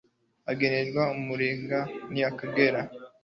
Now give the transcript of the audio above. agenerwa Umurenge n Akagari